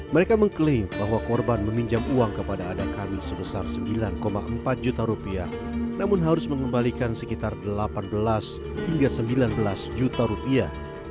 mereka mengklaim bahwa korban meminjam uang kepada adik kami sebesar sembilan empat juta rupiah namun harus mengembalikan sekitar delapan belas hingga sembilan belas juta rupiah